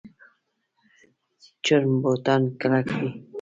چرم بوټان کلک وي